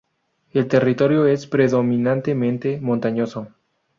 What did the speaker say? El territorio es predominantemente montañoso.